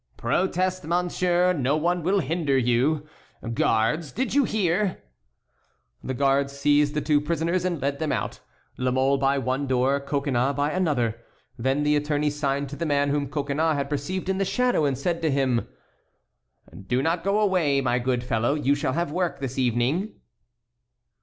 "Protest, monsieur, no one will hinder you. Guards, did you hear?" The guards seized the two prisoners and led them out, La Mole by one door, Coconnas by another. Then the attorney signed to the man whom Coconnas had perceived in the shadow, and said to him: "Do not go away, my good fellow, you shall have work this evening."